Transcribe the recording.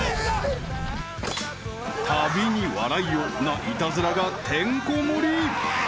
［「旅に笑いを」なイタズラがてんこ盛り］